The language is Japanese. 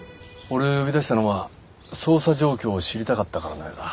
俺を呼び出したのは捜査状況を知りたかったからのようだ。